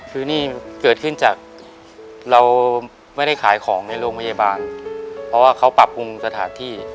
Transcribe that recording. คือนี่เกิดขึ้นจากเราไม่ได้ขายของในโรงพยาบาลเพราะว่าเขาปรับปรุงสถานที่